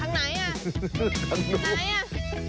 ทางไหนล่ะทางนู้น